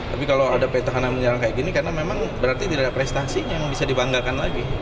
tapi kalau ada petahana menyerang kayak gini karena memang berarti tidak ada prestasi yang bisa dibanggakan lagi